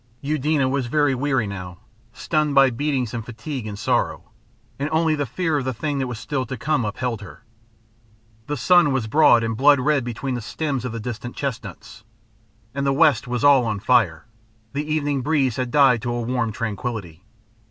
Eudena was very weary now, stunned by beatings and fatigue and sorrow, and only the fear of the thing that was still to come upheld her. The sun was broad and blood red between the stems of the distant chestnuts, and the west was all on fire; the evening breeze had died to a warm tranquillity.